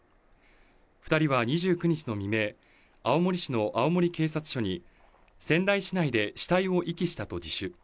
２人は２９日の未明、青森市の青森警察署に仙台市内で死体を遺棄したと自首。